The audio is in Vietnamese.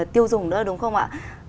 tiêu dùng đó đúng không ạ